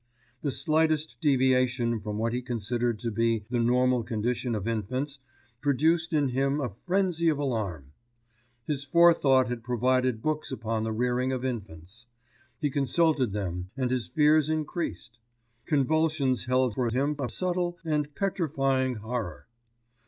The slightest deviation from what he considered to be the normal condition of infants produced in him a frenzy of alarm. His forethought had provided books upon the rearing of infants. He consulted them and his fears increased. Convulsions held for him a subtle and petrifying horror.